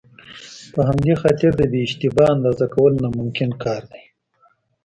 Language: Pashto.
په همدې خاطر د بې اشتباه اندازه کول ناممکن کار دی.